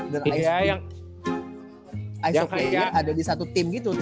dan iso player ada di satu tim gitu tiga orang lu